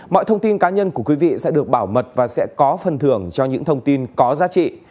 mọi thông tin cá nhân của quý vị sẽ được bảo mật và sẽ có phần thưởng cho những thông tin có giá trị